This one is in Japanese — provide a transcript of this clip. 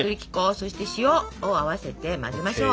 そして塩を合わせて混ぜましょう。